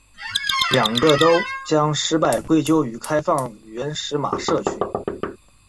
两个都将失败归咎于开放原始码社群。